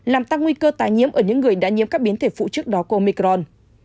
làm tăng nguy cơ tái nhiễm ở những người đã nhiễm các biến thể phụ trước đó của omicron